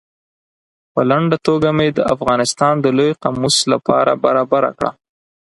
په لنډه توګه مې د افغانستان د لوی قاموس له پاره برابره کړه.